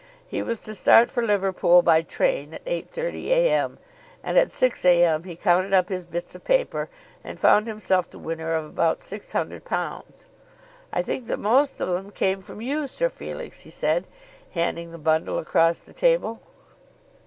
He was to start for Liverpool by train at 8.30 A.M., and at 6 A.M. he counted up his bits of paper and found himself the winner of about £600. "I think that most of them came from you, Sir Felix," he said, handing the bundle across the table.